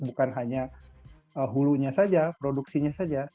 bukan hanya hulunya saja produksinya saja